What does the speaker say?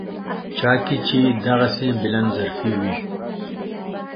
چا کې چې دغسې بلندظرفي وي.